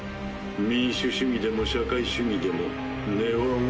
民主主義でも社会主義でも根は同じだ。